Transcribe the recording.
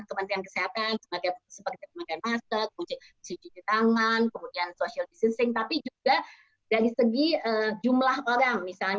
kementerian kesehatan sebagai teman teman yang masuk cuci cuci tangan kemudian social distancing tapi juga dari segi jumlah orang misalnya